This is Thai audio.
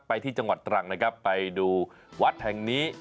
ไปที่จังหวัดตรังนะครับไปดูวัดแห่งนี้